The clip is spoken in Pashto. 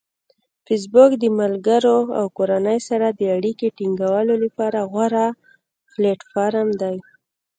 فېسبوک د ملګرو او کورنۍ سره د اړیکې ټینګولو لپاره غوره پلیټفارم دی.